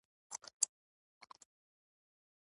مار غبرگې خولې را وتې ناره وکړه.